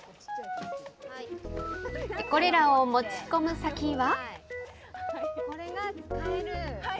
これらを持ち込む先は。